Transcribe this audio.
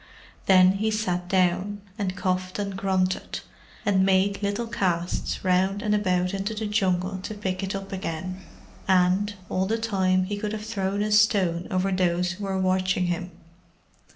Then he sat down, and coughed and grunted, and made little casts round and about into the Jungle to pick it up again, and, all the time he could have thrown a stone over those who were watching him.